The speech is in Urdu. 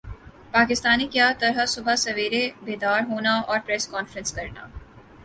پاکستانی کَیا طرح صبح سویرے بیدار ہونا اور پریس کانفرنس کرنا